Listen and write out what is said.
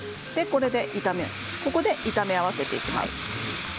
ここで炒め合わせていきます。